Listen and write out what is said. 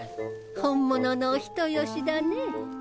本物のお人よしだね。